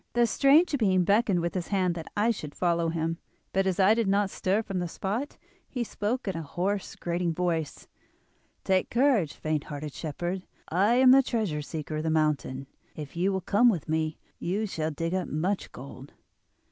The strange being beckoned with his hand that I should follow him; but as I did not stir from the spot he spoke in a hoarse, grating voice: 'Take courage, faint hearted shepherd. I am the Treasure Seeker of the mountain. If you will come with me you shall dig up much gold.